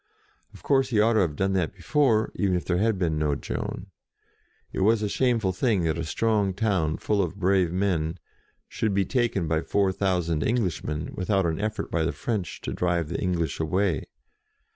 Of course he ought to have done that before, even if there had been no Joan. It was a shameful thing that a strong town, full of brave men, should be taken by four thou sand Englishmen, without an effort by the French to drive the English away.